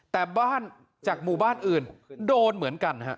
แต่บ้านจากหมู่บ้านอื่นโดนเหมือนกันฮะ